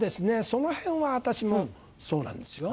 そのへんは私もそうなんですよ。